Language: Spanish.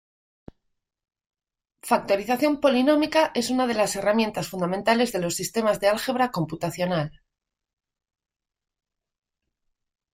Factorización polinómica es una de las herramientas fundamentales de los sistemas de álgebra computacional.